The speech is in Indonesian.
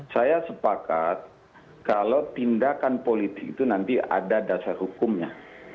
saya sepakat kalau tindakan politik itu nanti ada dasar hukumnya